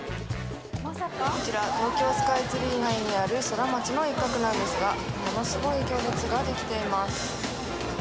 こちら東京スカイツリー内にあるソラマチの一角なんですが、ものすごい行列が出来ています。